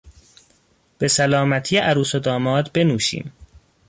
بسلامتی عروس و داماد بنوشیم!